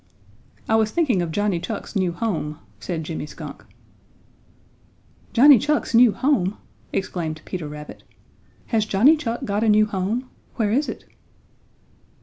"I was thinking of Johnny Chuck's new home," said Jimmy Skunk. "Johnny Chuck's new home!" exclaimed Peter Rabbit. "Has Johnny Chuck got a new home? Where is it?"